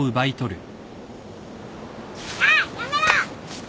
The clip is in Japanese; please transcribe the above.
あっやめろ！